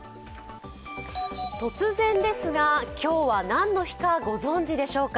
突然ですが、今日は何の日かご存じでしょうか？